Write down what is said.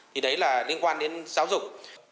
thì đấy là liên quan đến giáo dục